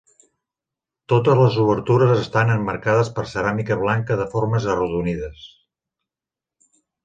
Totes les obertures estan emmarcades per ceràmica blanca de formes arrodonides.